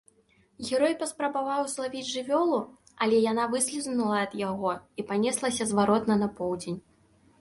Герой паспрабаваў злавіць жывёлу, але яна выслізнула ад яго і панеслася зваротна на поўдзень.